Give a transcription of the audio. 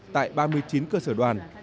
tại ba mươi chín cơ sở đoàn